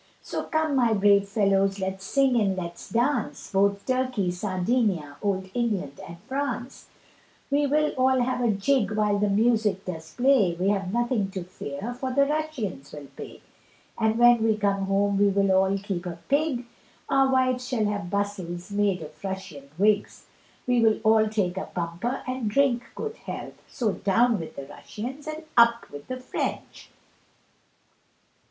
So come my brave fellows let's sing and let's dance, Both Turkey, Sardinnia, old England and France; We will all have a jig while the music does play, We have nothing to fear for the Russians will pay; And when we come home we will all keep a pig, Our wives shall have bustles made of Russian wigs, We will all take a bumper and drink good health, So down with the Russians and up with the French.